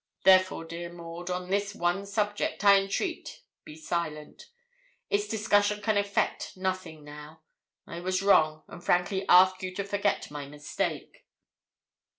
Therefore, dear Maud, on this one subject, I entreat, be silent; its discussion can effect nothing now. I was wrong, and frankly ask you to forget my mistake.'